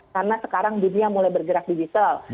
karena sekarang dunia mulai bergerak digital